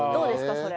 それ。